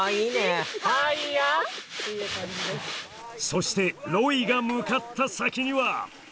そしてロイが向かった先には。